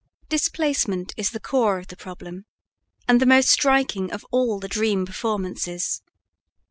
Displacement is the core of the problem, and the most striking of all the dream performances.